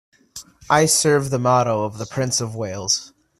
I serve the motto of the Prince of Wales